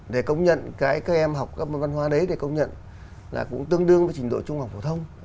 để công nhận các em học các môn văn hóa đấy để công nhận là cũng tương đương với trình độ trung học phổ thông